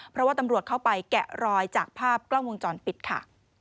เพราะว่าตำรวจเข้าไปแกะรอยจากภาพกล้องวงจรปิดค่ะ